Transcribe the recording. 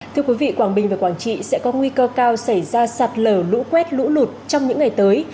thưa quý vị quảng bình và quảng trị sẽ có nguy cơ cao xảy ra sạt lở lũ quét lũ lụt trong những ngày tới